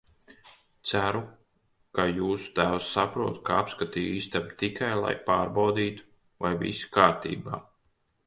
Ceru, ka jūsu tēvs saprot, ka apskatīju istabu tikai, lai pārbaudītu, vai viss kārtībā.